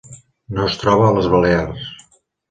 No es troba ales Balears.